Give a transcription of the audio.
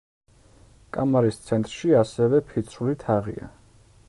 კამარის ცენტრში ასევე ფიცრული თაღია.